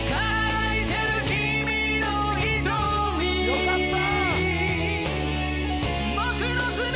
よかった。